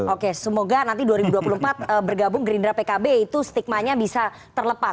oke semoga nanti dua ribu dua puluh empat bergabung gerindra pkb itu stigmanya bisa terlepas